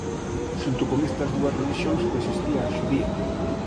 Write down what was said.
Xunto con estas dúas relixións coexistía a xudía.